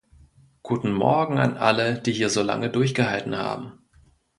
Guten Morgen an alle, die hier so lange durchgehalten haben.